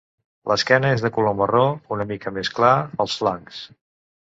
L'esquena és de color marró una mica més clar als flancs.